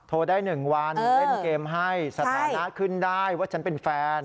โทรได้๑วันเล่นเกมให้สถานะขึ้นได้ว่าฉันเป็นแฟน